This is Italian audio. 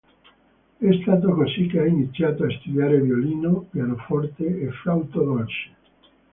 È stato così che ha iniziato a studiare violino, pianoforte e flauto dolce.